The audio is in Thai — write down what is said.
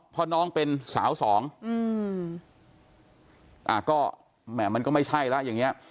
เพราะน้องเป็นสาวสองอืมอ่าก็แหม่มันก็ไม่ใช่แล้วอย่างเงี้ย